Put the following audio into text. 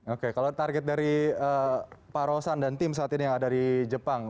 oke kalau target dari pak rosan dan tim saat ini yang ada di jepang